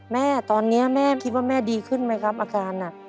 แม่ตอนนี้แม่คิดว่าแม่ดีขึ้นไหมครับอาการหนัก